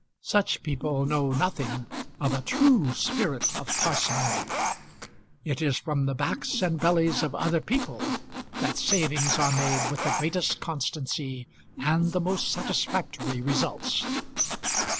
Such people know nothing of a true spirit of parsimony. It is from the backs and bellies of other people that savings are made with the greatest constancy and the most satisfactory results.